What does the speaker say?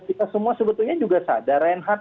kita semua sebetulnya juga sadar reinhardt